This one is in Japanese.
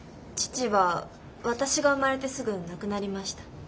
父は私が生まれてすぐ亡くなりました。